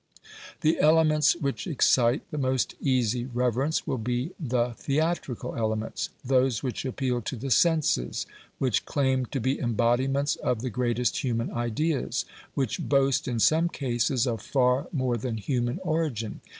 The elements which excite the most easy reverence will be the THEATRICAL elements those which appeal to the senses, which claim to be embodiments of the greatest human ideas, which boast in some cases of far more than human origin.